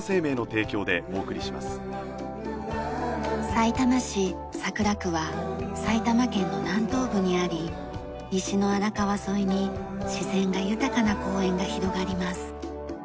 さいたま市桜区は埼玉県の南東部にあり西の荒川沿いに自然が豊かな公園が広がります。